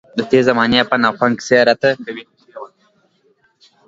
د تېرې زمانې پند او خوند کیسې راته کوي.